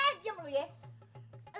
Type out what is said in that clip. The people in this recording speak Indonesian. eh diam lu ye